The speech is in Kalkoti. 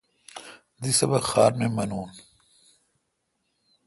دی سبق خار می مینون۔